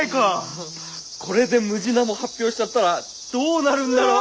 これでムジナモ発表しちゃったらどうなるんだろう？